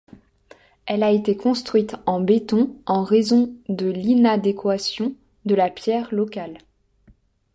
Elle a été construite en béton en raison de l'inadéquation de la pierre locale.